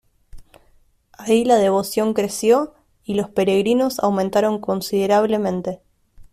Ahí la devoción creció y los peregrinos aumentaron considerablemente.